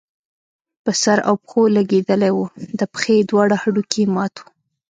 په سر او پښو لګېدلی وو، د پښې دواړه هډوکي يې مات وو